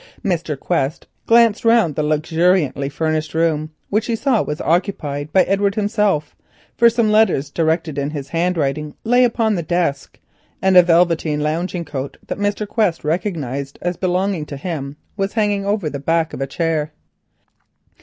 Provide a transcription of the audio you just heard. Mr. Quest glanced round the luxuriously furnished room, which he saw was occupied by Edward himself, for some letters directed in his handwriting lay upon the desk, and a velveteen lounging coat that Mr. Quest recognised as belonging to him was hanging over the back of a chair.